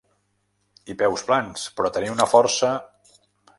I peus plans, però tenia una força…!